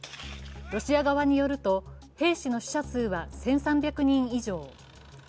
ロシア側による兵士の死者数は１３００人以上。